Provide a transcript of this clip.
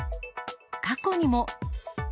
過去にも。